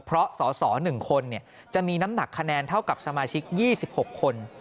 เพราะสส๑คนจะมีน้ำหนักคะแนนเท่ากับสมาชิก๒๖คน